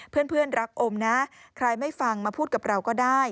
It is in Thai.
เพื่อนรักอมนะใครไม่ฟังมาพูดกับเราก็ได้